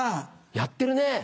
やってるね。